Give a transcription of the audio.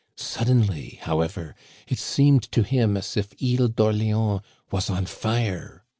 " Suddenly, however, it seemed to him as if Isle d'Or léans was on fire.